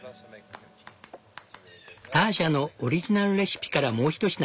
ターシャのオリジナルレシピからもうひと品。